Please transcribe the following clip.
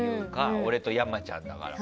俺と山ちゃんだから。